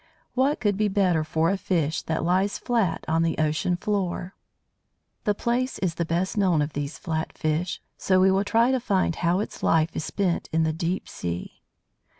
What could be better for a fish that lies flat on the ocean floor? The Plaice is the best known of these flat fish, so we will try to find how its life is spent in the deep sea.